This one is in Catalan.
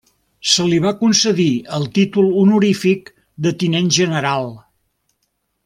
Se li va concedir el títol honorífic de Tinent General.